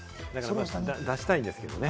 出したいんですけどね。